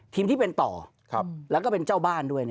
ที่เป็นต่อแล้วก็เป็นเจ้าบ้านด้วย